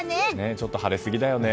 ちょっと晴れすぎだよね。